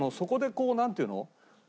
こうなんていうの？